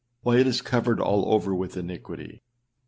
why it is covered all over with iniquity.